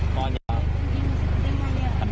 โดนเยอะจริงหรอ